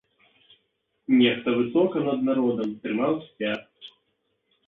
Нехта высока над народам трымаў сцяг.